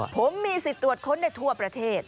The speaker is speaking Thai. ผมมีสิทธิ์ตรวจค้นได้ทั่วประเทศ